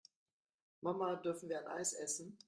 Mama, dürfen wir ein Eis essen?